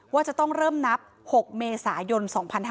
ว่าจะต้องเริ่มนับ๖เมษายน๒๕๕๙